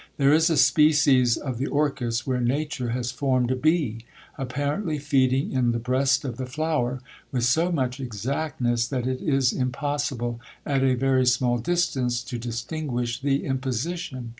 There is a species of the orchis, where Nature has formed a bee, apparently feeding in the breast of the flower, with so much exactness, that it is impossible at a very small distance to distinguish the imposition.